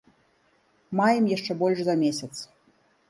Маем яшчэ больш за месяц.